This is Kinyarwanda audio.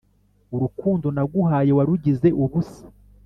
Urukundo naguhaye Warugize ubusa